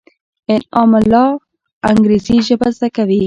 انعام الله انګرېزي ژبه زده کوي.